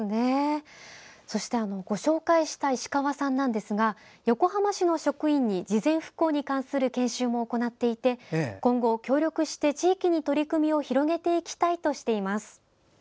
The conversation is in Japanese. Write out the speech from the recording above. ご紹介した石川さんは横浜市の職員に事前復興に関する研修も行っていて今後、協力して地域に取り組みを広げていきたいとしています。